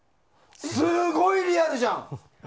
すごいリアルじゃん！